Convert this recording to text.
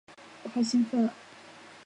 我好兴奋啊！